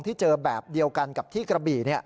ที่เจอแบบเดียวกันกับที่กระบี่